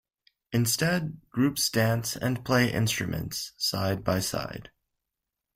Instead, groups dance and play instruments side by side.